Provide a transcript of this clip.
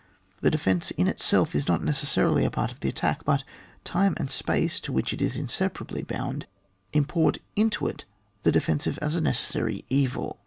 The defence in itself is not necessarily a part of the attack ; but time and space, to which it id inseparably bound, import into it the defensive as a necessary evil.